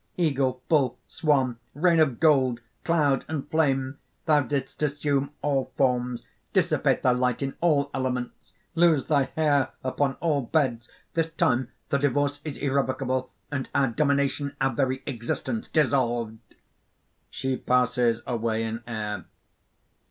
Eagle, bull, swan, rain of gold, cloud and flame, thou didst assume all forms, dissipate thy light in all elements, lose thy hair upon all beds! This time the divorce is irrevocable; and our domination, our very existence, dissolved." (_She passes away in air.